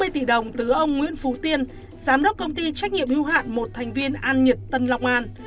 năm mươi tỷ đồng từ ông nguyễn phú tiên giám đốc công ty trách nhiệm hưu hạn một thành viên an nhật tân long an